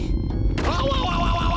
わわわわわ！